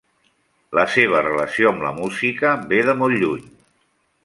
La seva relació amb la música ve de molt lluny.